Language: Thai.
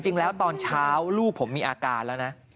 จริงแล้วตอนเช้าลูกผมมีอาการแล้วนะ